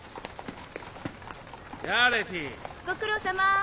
ご苦労さま。